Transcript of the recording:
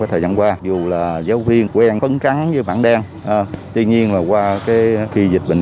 cái thời gian qua dù là giáo viên quen phấn trắng với mảng đen tuy nhiên là qua cái khi dịch bệnh